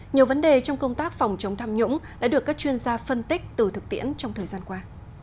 nhiều vấn đề trong công tác phòng chống tham nhũng đã được các chuyên gia phân tích từ thực tiễn trong thời gian qua